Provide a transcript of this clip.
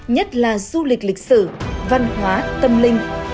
nhất là du lịch lịch sử văn hóa tâm linh